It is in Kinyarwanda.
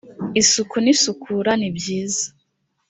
isuku n isukura ni byiza